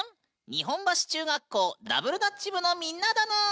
日本橋中学校ダブルダッチ部のみんなだぬん！